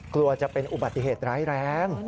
กลัวจะเป็นอุบัติเหตุร้ายแรง